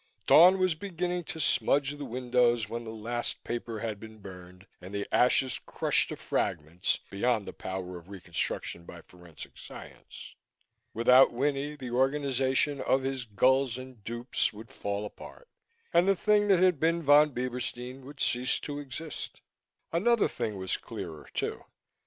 Dawn was beginning to smudge the windows when the last paper had been burned and the ashes crushed to fragments beyond the power of reconstruction by forensic science. Without Winnie the organization of his gulls and dupes would fall apart and the thing that had been Von Bieberstein would cease to exist. Another thing was clearer, too.